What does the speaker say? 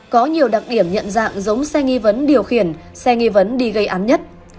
có nhiều đặc điểm nhận dạng giống xe nghi vấn điều khiển xe nghi vấn đi gây án nhất